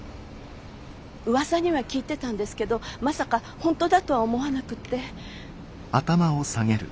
うわさには聞いてたんですけどまさか本当だとは思わなくって。